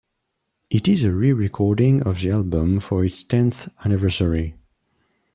It is a re-recording of the album for its tenth anniversary.